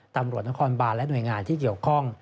ตำรวจนครบานและหน่วยงานที่เกี่ยวข้อง